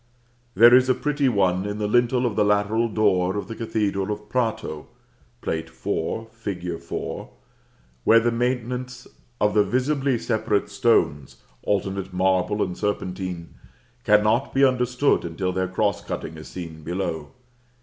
There is a pretty one in the lintel of the lateral door of the cathedral of Prato (Plate IV. fig. 4.); where the maintenance of the visibly separate stones, alternate marble and serpentine, cannot be understood until their cross cutting is seen below.